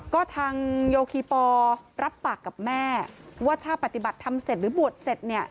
ก็ทางโยคีปอลรับปากกับแม่ว่าถ้าปฏิบัติทำเสร็จหรือบวชเสร็จเนี่ย